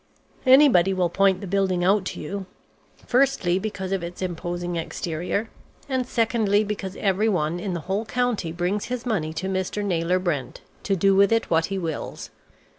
Anybody will point the building out to you, firstly because of its imposing exterior, and secondly because everyone in the whole county brings his money to Mr. Naylor Brent, to do with it what he wills.